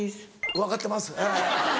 分かってます。